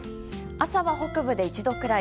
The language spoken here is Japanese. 朝は北部で１度くらい。